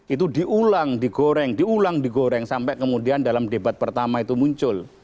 itu diulang digoreng diulang digoreng sampai kemudian dalam debat pertama itu muncul